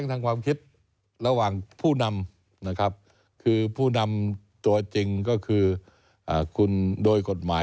ทางความคิดระหว่างผู้นำคือผู้นำตัวจริงโดยกฎหมาย